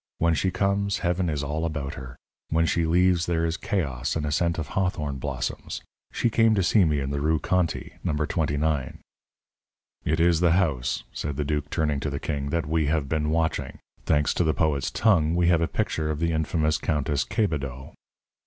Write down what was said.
When she comes, heaven is all about her; when she leaves, there is chaos and a scent of hawthorn blossoms. She came to see me in the Rue Conti, number twenty nine." "It is the house," said the duke, turning to the king, "that we have been watching. Thanks to the poet's tongue, we have a picture of the infamous Countess Quebedaux."